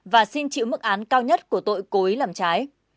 và xin chịu mức án cao nhất của tội cố ý làm trái